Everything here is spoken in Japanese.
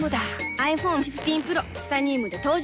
ｉＰｈｏｎｅ１５Ｐｒｏ チタニウムで登場